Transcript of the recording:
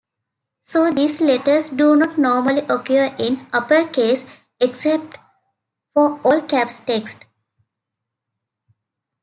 So these letters do not normally occur in uppercase, except for all caps text.